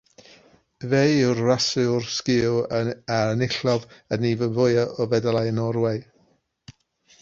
Fe yw'r rasiwr sgïo a enillodd y nifer fwyaf o fedalau yn Norwy.